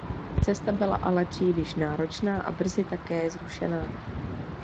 Cesta byla ale příliš náročná a brzy také zrušená.